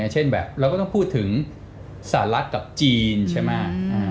เช่นแบบเราก็ต้องพูดถึงสหรัฐกับจีนใช่ไหม